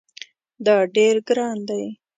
دا ډیر ګران دی